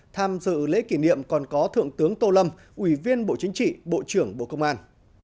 tham dự lễ kỷ niệm còn có thượng tướng tô lâm ủy viên bộ chính trị bộ trưởng bộ công an